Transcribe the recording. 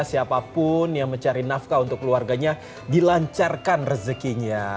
siapapun yang mencari nafkah untuk keluarganya dilancarkan rezekinya